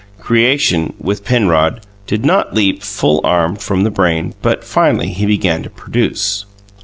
Creation, with Penrod, did not leap, full armed, from the brain; but finally he began to produce.